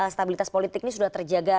stabilitas politik ini sudah terjaga